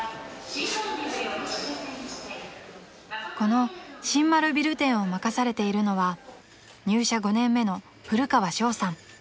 ［この新丸ビル店を任されているのは入社５年目の］